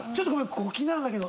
ここ気になるんだけど。